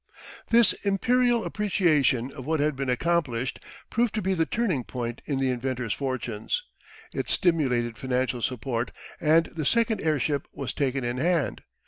This Imperial appreciation of what had been accomplished proved to be the turning point in the inventor's fortunes. It stimulated financial support, and the second airship was taken in hand.